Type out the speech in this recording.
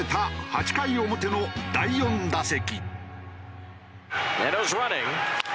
８回表の第４打席。